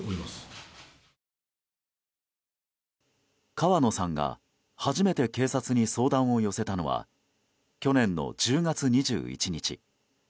川野さんが初めて警察に相談を寄せたのは去年の１０月２１日。